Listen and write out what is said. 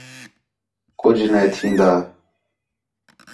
کُج نے تھین٘دا